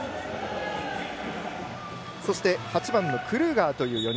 そして８番のクルーガーという４人。